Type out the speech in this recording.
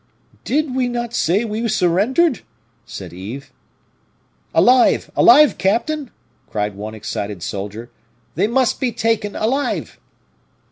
"Did we not say we surrendered?" said Yves. "Alive, alive, captain!" cried one excited soldier, "they must be taken alive."